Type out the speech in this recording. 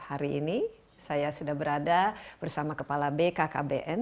hari ini saya sudah berada bersama kepala bkkbn